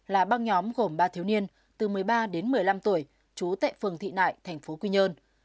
là băng nhóm gồm ba thiếu niên từ một mươi ba đến một mươi năm tuổi trú tại phường thị nại thành phố quy nhơn